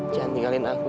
jangan tinggalin aku ya